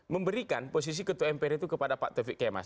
memberikan posisi ketua mpr itu kepada pak taufik kemas